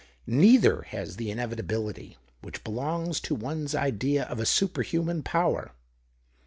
Neither has the inevitability which belongs to one's idea of a superhuman power.